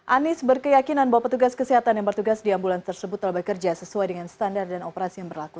anies berkeyakinan bahwa petugas kesehatan yang bertugas di ambulans tersebut telah bekerja sesuai dengan standar dan operasi yang berlaku